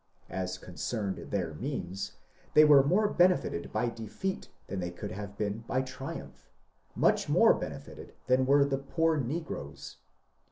As concerned their means, they were more benefited by defeat than they could have been by triumph, — much more benefited than were the poor neg^roes.